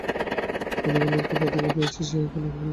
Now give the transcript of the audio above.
উনি বললেন, কোথা থেকে পেয়েছি সে আপনাকে বলব না।